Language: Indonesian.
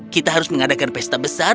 kita harus mengadakan pesta besar